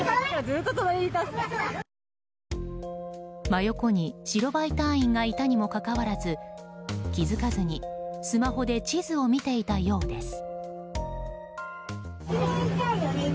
真横に白バイ隊員がいたにもかかわらず、気づかずにスマホで地図を見ていたようです。